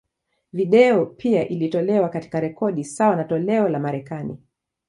Video pia iliyotolewa, katika rekodi sawa na toleo la Marekani.